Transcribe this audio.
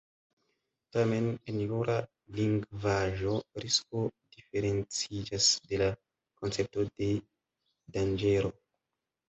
Tamen, en jura lingvaĵo „risko“ diferenciĝas de la koncepto de „danĝero“.